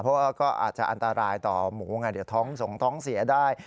เพราะว่าก็อาจจะอันตรายต่อหมูไงเดี๋ยวท้องสงท้องเสียได้